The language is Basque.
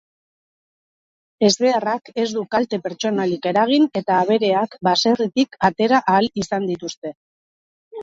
Ezbeharrak ez du kalte pertsonalik eragin eta abereak baserritik atera ahal izan dituzte.